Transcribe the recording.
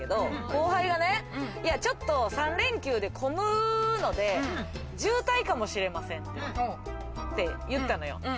後輩がちょっと３連休混むので、渋滞かもしれませんって言ったのよ。